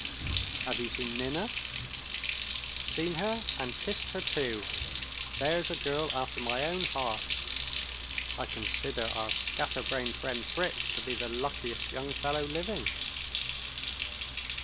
"Have you seen Minna?" "Seen her, and kissed her too! There's a girl after my own heart. I consider our scatter brained friend Fritz to be the luckiest young fellow living."